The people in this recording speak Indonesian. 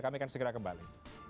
kami akan segera kembali